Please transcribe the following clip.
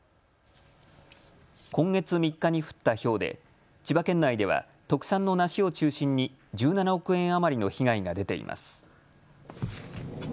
今月３日に降ったひょうで千葉県内では特産の梨を中心に１７億円余りの被害が出ています。